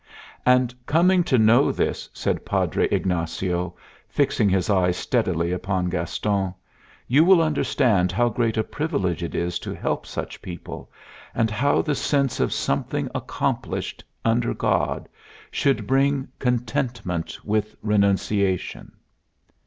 And coming to know this," said Padre Ignacio, fixing his eyes steadily upon Gaston, "you will understand how great a privilege it is to help such people, and how the sense of something accomplished under God should bring Contentment with Renunciation."